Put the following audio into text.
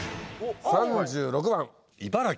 ３６番。